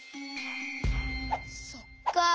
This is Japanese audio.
そっか。